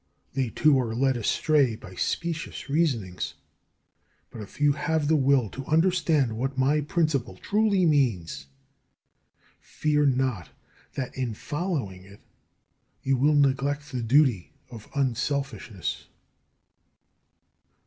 They, too, are led astray by specious reasonings. But if you have the will to understand what my principle truly means, fear not that in following it you will neglect the duty of unselfishness.